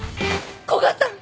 古賀さん！